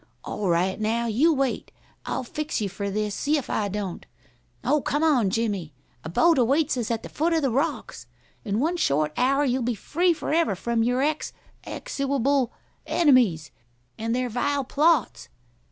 All right, now. You wait. I'll fix you for this, see if I don't! Oh, come on, Jimmie. A boat awaits us at the foot of the rocks. In one short hour you'll be free forever from your ex exewable enemies, and their vile plots.